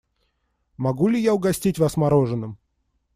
Могу ли я угостить вас мороженым?